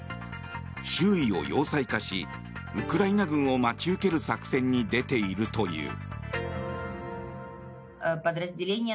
周囲を要塞化しウクライナ軍を待ち受ける作戦に出ているという。